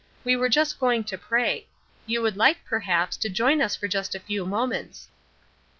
We were just going to pray; you would like, perhaps, to join us for just a few moments."